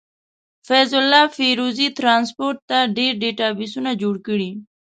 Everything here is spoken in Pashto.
فيض الله فيروزي ټرانسپورټ ته ډير ډيټابسونه جوړ کړي.